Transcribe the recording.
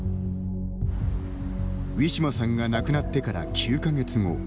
ウィシュマさんが亡くなってから９か月後。